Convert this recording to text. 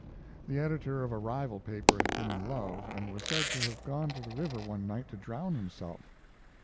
The editor of a rival paper had been in love, and was said to have gone to the river one night to drown himself.